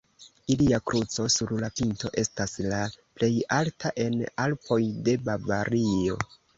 Ilia kruco sur la pinto estas la plej alta en Alpoj de Bavario.